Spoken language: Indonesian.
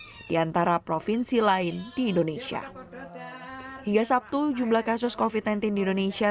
tinggi diantara provinsi lain di indonesia hingga sabtu jumlah kasus kofi tentin di indonesia